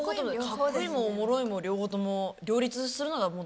かっこいいもおもろいも両方とも両立するのが大好きで。